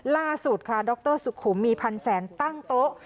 ล่าสุดค่ะดรสุขุมมีพันแสนตั้งโต๊ะ